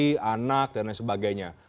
kondisi anak dan lain sebagainya